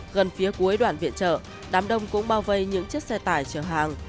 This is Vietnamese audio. gần phía cuối đoàn viện trợ đám đông cũng bao vây những chiếc xe tải chở hàng